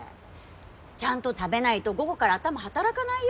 ちゃんと食べないと午後から頭働かないよ。